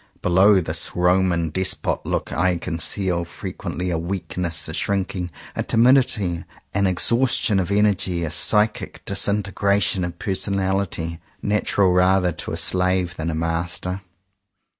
Be low this Roman Despot look I conceal fre quently a weakness, a shrinking, a timidity, an exhaustion of energy, a psychic disinte gration of personality, natural rather to a slave than a master.